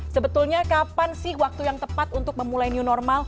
sebetulnya kapan sih waktu yang tepat untuk memulai new normal